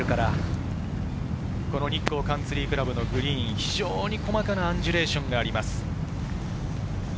日光カンツリー倶楽部のグリーン、非常に細かなアンジュレーションがあります。